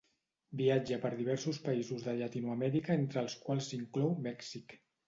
Viatja per diversos països de Llatinoamèrica entre els quals s'inclou Mèxic.